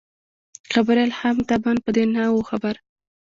خبریال هم طبعاً په دې نه وو خبر.